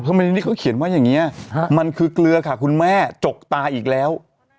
ที่เขาเขียนว่าอย่างนี้มันคือเกลือค่ะคุณแม่จกตาอีกแล้ว